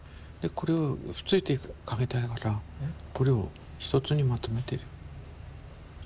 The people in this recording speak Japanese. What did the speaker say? これはくっついて描きたいからこれを一つにまとめてる。